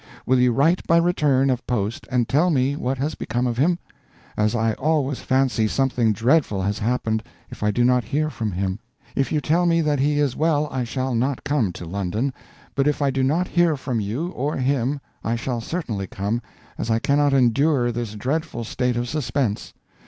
Will you write by return of post and tell me what has become of him? as I always fancy something dreadful has happened if I do not hear from him. If you tell me that he is well I shall not come to London, but if I do not hear from you or him I shall certainly come, as I cannot endure this dreadful state of suspense.